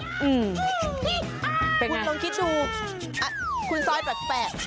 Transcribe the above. คุณลองคิดดูคุณซอยแปลก